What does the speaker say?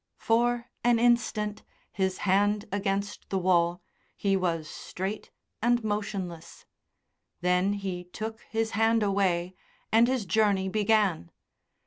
For an instant, his hand against the wall, he was straight and motionless; then he took his hand away, and his journey began.